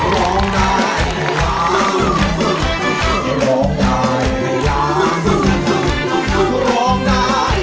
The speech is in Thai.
ร้องได้ร้องได้ร้องได้